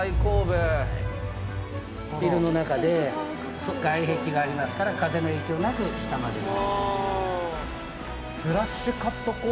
ビルの中で外壁がありますから風の影響なく下まで下ろせると。